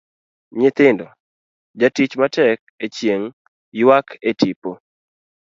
Nyithindo, jatich matek e chieng' ywak e tipo.